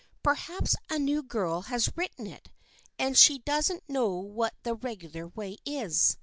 " Perhaps a new girl has written it, and she doesn't know what the regular way is.